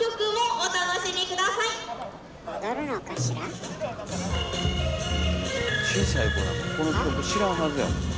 小さい子なんかこの曲知らんはずやもん。